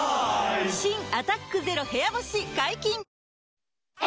新「アタックＺＥＲＯ部屋干し」解禁‼